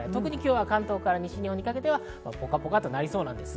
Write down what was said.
関東から西日本にかけてはポカポカとなりそうです。